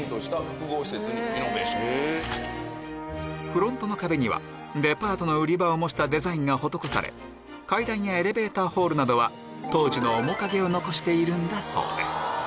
フロントの壁にはデパートの売り場を模したデザインが施され階段やエレベーターホールなどは当時の面影を残しているんだそうです